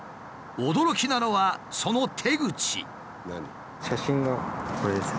驚きなのはその手口。